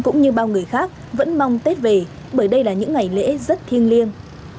cũng như bao người khác vẫn mong tết về bởi đây là những ngày lễ rất thiêng liêng